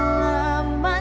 gak ada apa apa